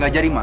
gak jadi ma